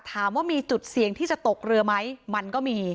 ถามว่ามีจุดเสี่ยงที่จะตกเรือไหมมันก็มี